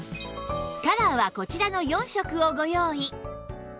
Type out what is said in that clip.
カラーはこちらの４色をご用意